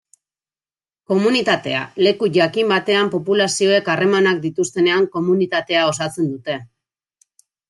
Komunitatea: Leku jakin batean populazioek harremanak dituztenean komunitatea osatzen dute.